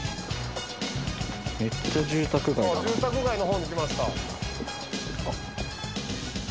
住宅街の方に来ました。